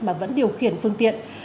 mà vẫn điều khiển phương tiện